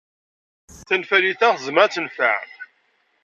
Tanfalit-a tezmer ad tenfeɛ.